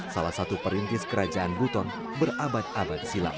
salah satu perintis kerajaan buton berabad abad silam